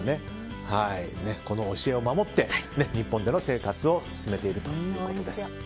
この教えを守って日本での生活を進めているということです。